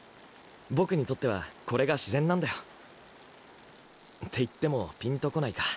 ボクにとってはこれが自然なんだよ。って言ってもピンとこないか。